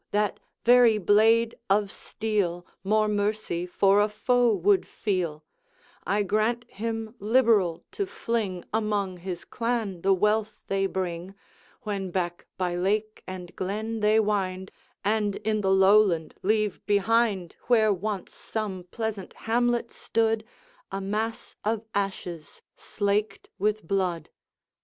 that very blade of steel More mercy for a foe would feel: I grant him liberal, to fling Among his clan the wealth they bring, When back by lake and glen they wind, And in the Lowland leave behind, Where once some pleasant hamlet stood, A mass of ashes slaked with blood.